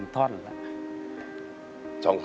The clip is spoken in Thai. ๒๓ท่อน